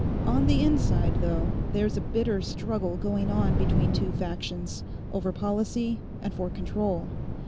On the inside, though, there's a bitter struggle going on between two factions, over policy and for control.